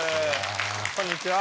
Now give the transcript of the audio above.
こんにちは。